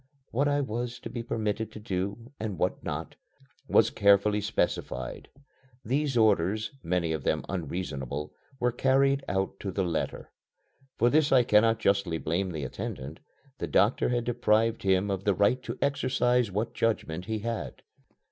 What I was to be permitted to do, and what not, was carefully specified. These orders, many of them unreasonable, were carried out to the letter. For this I cannot justly blame the attendant. The doctor had deprived him of the right to exercise what judgment he had.